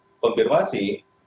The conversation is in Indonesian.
yang bisa konfirmasi